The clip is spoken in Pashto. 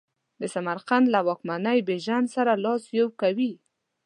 د سمرقند له واکمن بیژن سره لاس یو کوي.